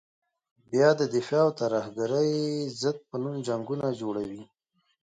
بیا د دفاع او ترهګرې ضد په نوم جنګونه جوړوي.